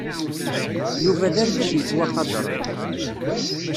Yuba d argaz yettwaqadren.